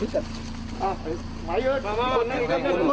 อีกคนหนึ่งอีกคนหนึ่ง